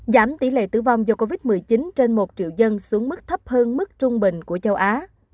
giảm tỷ lệ tử vong do covid một mươi chín trên một triệu dân xuống mức thấp hơn mức trung bình của châu á